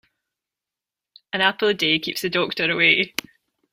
An apple a day keeps the doctor away.